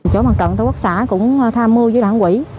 chỗ mặt trận của quốc xã cũng tham mưu với đoàn quỹ